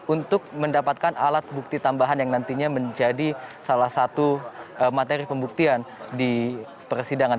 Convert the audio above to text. untuk mendapatkan alat bukti tambahan yang nantinya menjadi salah satu materi pembuktian di persidangan